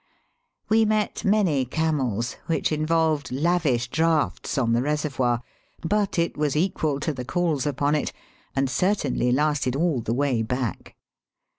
We met many camels, which involved lavish draughts on the reservoir ; but it was equal to the calls upon it, and certainly lasted all the way back.